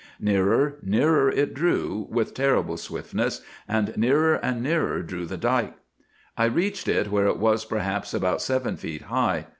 Nearer, nearer it drew, with terrible swiftness; and nearer and nearer drew the dike. I reached it where it was perhaps about seven feet high.